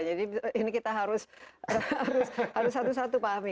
jadi ini kita harus satu satu pahami